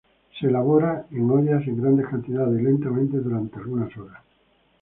Se elabora en ollas en grandes cantidades y lentamente durante algunas horas.